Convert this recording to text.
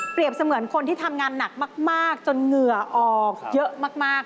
เสมือนคนที่ทำงานหนักมากจนเหงื่อออกเยอะมาก